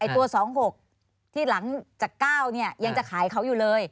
ตัว๒๖ที่หลังจาก๙ยังจะขายเขาอยู่เลย